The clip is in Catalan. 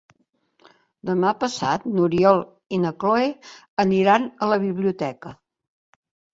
Demà passat n'Oriol i na Cloè aniran a la biblioteca.